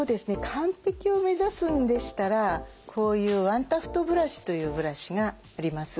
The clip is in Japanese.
完璧を目指すんでしたらこういうワンタフトブラシというブラシがあります。